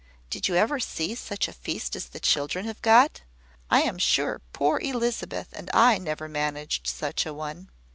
Did you ever see such a feast as the children have got? I am sure poor Elizabeth and I never managed such a one.